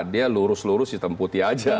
dia lurus lurus hitam putih aja